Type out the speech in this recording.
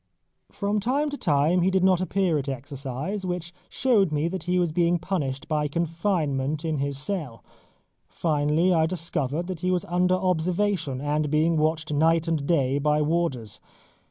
From time to time he did not appear at exercise, which showed me that he was being punished by confinement to his cell. Finally, I discovered that he was under observation, and being watched night and day by warders.